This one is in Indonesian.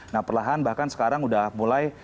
nah perlahan bahkan sekarang udah mulai